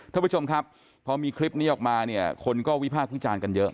ท่านผู้ชมครับพอมีคลิปนี้ออกมาเนี่ยคนก็วิพากษ์วิจารณ์กันเยอะ